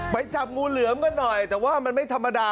จับงูเหลือมกันหน่อยแต่ว่ามันไม่ธรรมดา